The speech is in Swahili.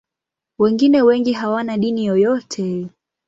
Wengine wengi hawana dini yoyote.